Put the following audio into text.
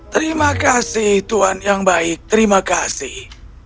terima kasih tuhan yang baik terima kasih